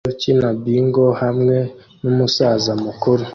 Umusore ukina Bingo hamwe numusaza mukuru